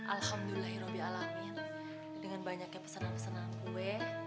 alhamdulillahirohmanirohim dengan banyaknya pesenan pesenan kue